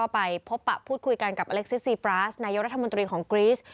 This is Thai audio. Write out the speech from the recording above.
ไปพบปะพูดคุยกันกับอเล็กซิสซีปราสนายกรัฐมนตรีของกรีส